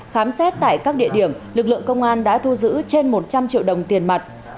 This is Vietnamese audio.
khám xét tại các địa điểm lực lượng công an đã thu giữ trên một trăm linh triệu đồng tiền mặt